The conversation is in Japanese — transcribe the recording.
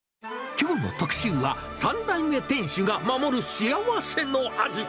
きょうの特集は、３代目店主が守る幸せの味。